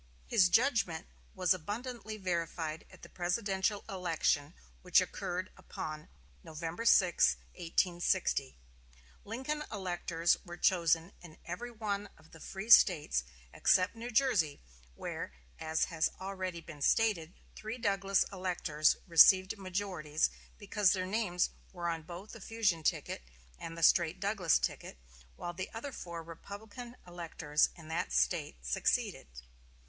His judgment was abundantly verified at the presidential election, which occurred upon November 6, 1860. Lincoln electors were chosen in every one of the free States except New Jersey, where, as has already been stated, three Douglas electors received majorities because their names were on both the fusion ticket and the straight Douglas ticket; while the other four Republican electors in that State succeeded.